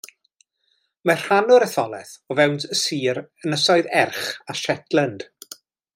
Mae rhan o'r etholaeth o fewn y sir Ynysoedd Erch a Shetland.